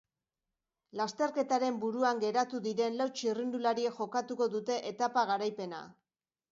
Lasterketaren buruan geratu diren lau txirrindulariek jokatu dute etapa garaipena.